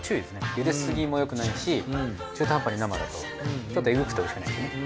茹ですぎもよくないし中途半端に生だとちょっとエグくておいしくないですね。